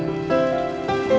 kamu dikeluar kamar sayang